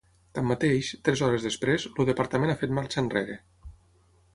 Tanmateix, tres hores després, el departament ha fet marxa enrere.